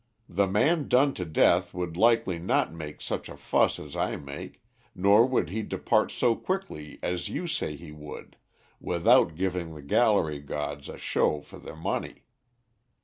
The man done to death would likely not make such a fuss as I make, nor would he depart so quickly as you say he would, without giving the gallery gods a show for their money.